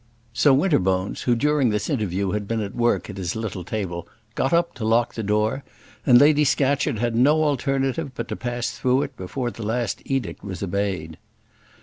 So Winterbones, who during this interview had been at work at his little table, got up to lock the door, and Lady Scatcherd had no alternative but to pass through it before the last edict was obeyed.